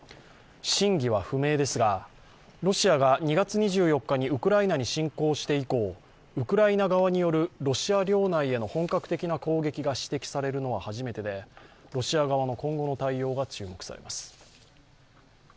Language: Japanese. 真偽は不明ですが、ロシアが２月２４日にウクライナに侵攻して以降ウクライナ側によるロシア領内への本格的な攻撃が指摘されるのは初めてで、ロシア側の今後の対応が注目されます。